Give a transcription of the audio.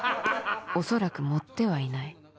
おそらく盛ってはいない